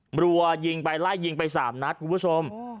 รัวยิงไปไล่ยิงไป๓นัดคุณผู้ชม